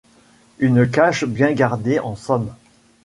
Une cache bien gardée, en somme.